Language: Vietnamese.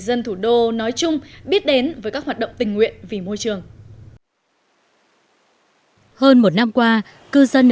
dân thủ đô nói chung biết đến với các hoạt động tình nguyện vì môi trường hơn một năm qua cư dân